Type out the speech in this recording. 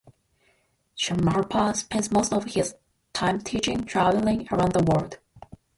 Shamarpa spends most of his time teaching, travelling around the world.